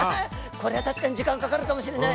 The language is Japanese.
これは確かに時間かかるかもしれない。